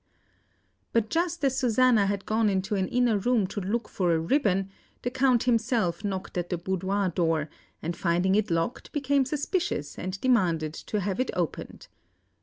But just as Susanna had gone into an inner room to look for a ribbon, the Count himself knocked at the boudoir door, and finding it locked became suspicious and demanded to have it opened.